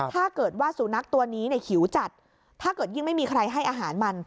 ถ้าเกิดว่าสุนัขตัวนี้เนี่ยหิวจัดถ้าเกิดยิ่งไม่มีใครให้อาหารมัน